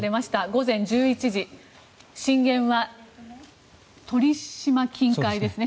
午前１１時震源は鳥島近海ですね。